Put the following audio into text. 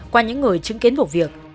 qua những người chứng kiến vụ việc